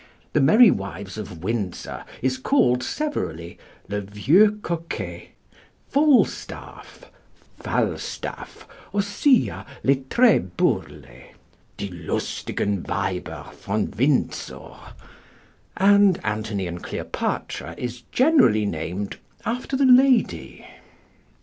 The Merry Wives of Windsor is called severally Le Vieux Coquet, Falstaff, Falstaff, ossia Letre Burle, Die Lustigen Weibervon Windsor; and Antony and Cleopatra is generally named after the lady.